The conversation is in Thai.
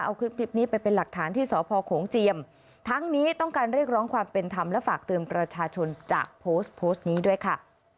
เอาคลิปนี้ไปเป็นหลักฐานที่สพโขงเจียมทั้งนี้ต้องการเรียกร้องความเป็นธรรมและฝากเตือนประชาชนจากโพสต์โพสต์นี้ด้วยค่ะ